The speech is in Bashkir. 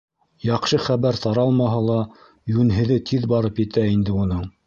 Яҡшы хәбәр таралмаһа ла, йүнһеҙе тиҙ барып етә инде уның...